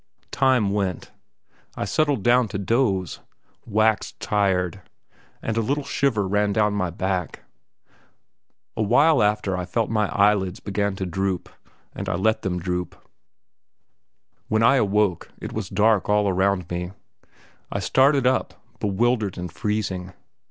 Time went. I settled down to doze, waxed tired, and a little shiver ran down my back. A while after I felt that my eyelids began to droop, and I let them droop.... When I awoke it was dark all around me. I started up, bewildered and freezing.